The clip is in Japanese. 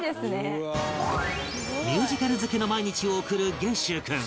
ミュージカル漬けの毎日を送る元秀君